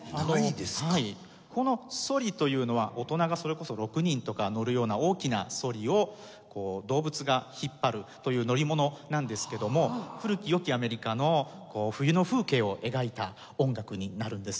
このそりというのは大人がそれこそ６人とか乗るような大きなそりを動物が引っ張るという乗り物なんですけども古き良きアメリカの冬の風景を描いた音楽になるんです。